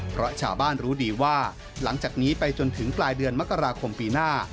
เพราะชาวบ้านรู้ดีว่าหลังจากนี้ไปจนถึงปลายเดือนมกราคมปีหน้า